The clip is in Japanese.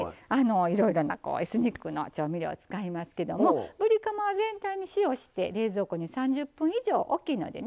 いろいろなエスニックの調味料を使いますけどもぶりカマは全体に塩して冷蔵庫に３０分以上大きいのでね